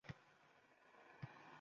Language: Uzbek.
Asosiy masala – ishsizlikni kamaytirish